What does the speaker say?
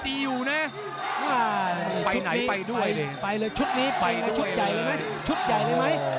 โหโหโหโหโหโหโหโหโห